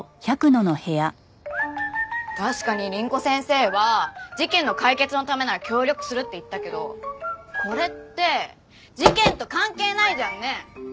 確かに凛子先生は事件の解決のためなら協力するって言ったけどこれって事件と関係ないじゃんね！